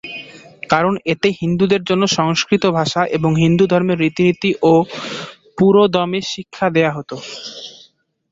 কারণ, এতে হিন্দুদের জন্য সংস্কৃত ভাষা এবং হিন্দু ধর্মের রীতিনীতি ও পুরোদমে শিক্ষা দেয়া হতো।